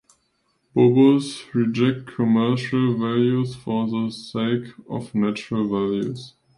Bobos reject "commercial" values for the sake of "natural" values.